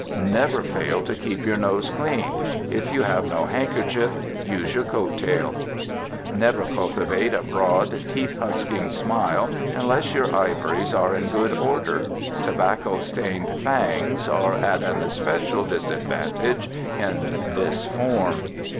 Never fail to keep your nose clean. If you have no handkerchief, use your coat tail. Never cultivate a broad, teeth husking smile, unless your ivories are in good order. Tobacco stained fangs are at an especial disadvantage in this form.